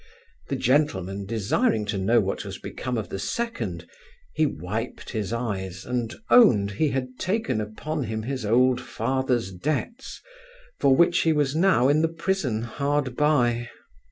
The gentleman desiring to know what was become of the second, he wiped his eyes, and owned, he had taken upon him his old father's debts, for which he was now in the prison hard by.